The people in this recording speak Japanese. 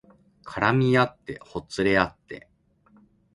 絡みあってほつれあって